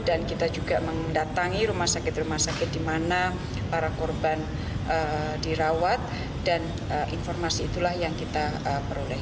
dan kita juga mendatangi rumah sakit rumah sakit di mana para korban dirawat dan informasi itulah yang kita peroleh